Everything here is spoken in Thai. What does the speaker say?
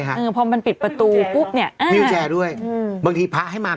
ใช่ฮะอืมพอมันปิดประตูปุ๊บเนี่ยอืมด้วยอืมบางทีพระให้มา